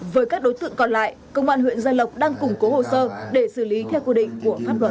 với các đối tượng còn lại công an huyện gia lộc đang củng cố hồ sơ để xử lý theo quy định của pháp luật